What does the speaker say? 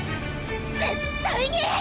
絶対に！